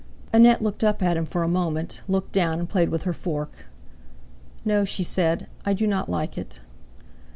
Annette looked up at him for a moment, looked down, and played with her fork. "No," she said, "I do not like it."